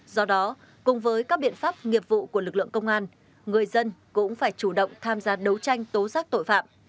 do đó cùng với các biện pháp nghiệp vụ của lực lượng công an người dân cũng phải chủ động tham gia đấu tranh tố giác tội phạm